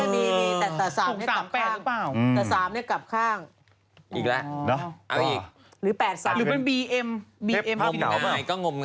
แต่สามก็กลับข้าง